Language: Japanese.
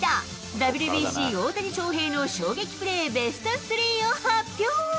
ＷＢＣ大谷翔平の衝撃プレー、ベスト３を発表。